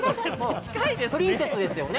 プリンセスですよね。